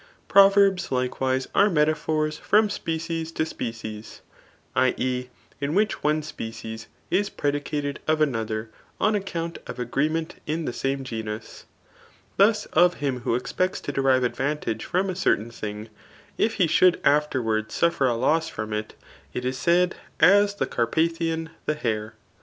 Proverbs likewise are metaphors from species to spe« cies [i. e. in which one species is predicated of another on account of agreement in the same genus.] Thus of him who expects to derive advantage from a certain thing, if he should afterwards suffer a loss from it, it is said, as the Carpathian the hare.